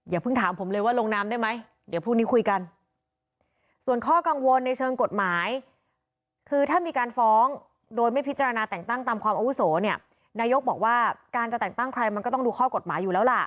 อย่าพึ่งถามผมเลยว่าลงนามได้ไหมเดี๋ยวพรุ่งนี้คุยกัน